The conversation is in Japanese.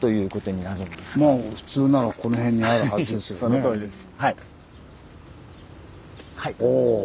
そのとおりです。